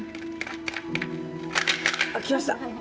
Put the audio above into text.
あっ来ました。